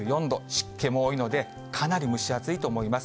湿気も多いので、かなり蒸し暑いと思います。